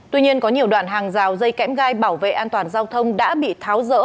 tuy nhiên có nhiều đoạn hàng rào dây kẽm gai bảo vệ an toàn giao thông đã bị tháo rỡ